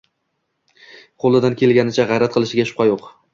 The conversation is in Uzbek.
qo'lidan kelganicha g'ayrat qilishiga shubha yo'q.